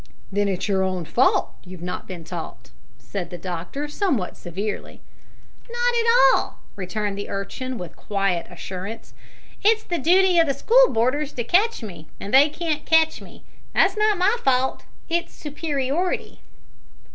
"Then it's your own fault that you've not been taught?" said the doctor, somewhat severely. "Not at all," returned the urchin, with quiet assurance. "It's the dooty o' the school boarders to ketch me, an' they can't ketch me. That's not my fault. It's my superiority."